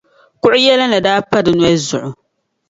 kuɣ’ yɛlinli daa pa di noli zuɣu.